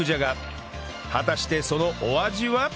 果たしてそのお味は？